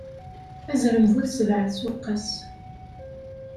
Azrem bu sebɛa tsuqqas.